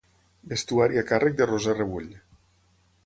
Vestuari a càrrec de Roser Rebull.